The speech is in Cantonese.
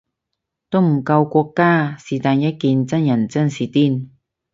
都唔夠國家是但一件真人真事癲